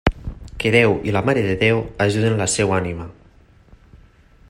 Que Déu i la Mare de Déu ajudin la seva ànima.